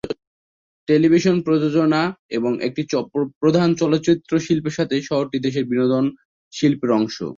Television প্রযোজনা এবং একটি প্রধান চলচ্চিত্র শিল্পের সাথে শহরটি দেশের বিনোদন শিল্পের অংশ।